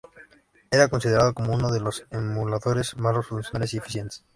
Era considerado como unos de los emuladores más funcionales y eficientes.